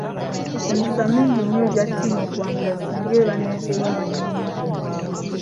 Emikisa mingi nnyo egya ttiimu okuwangulai singa eba n'ensimbi nnyingi.